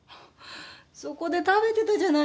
そこで食べてたじゃない。